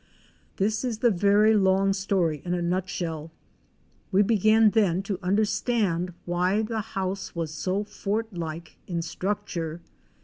This is the very long story in a nutshell. We began then to understand why the house was so fort like in structure.